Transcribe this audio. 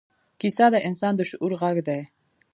کیسه د انسان د شعور غږ دی.